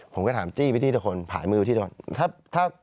ผมก็ถามจี้ไปที่ทุกคนผายมือที่โดน